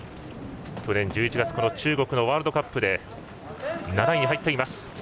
去年１１月中国のワールドカップで７位に入っています。